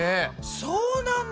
そうなんだ。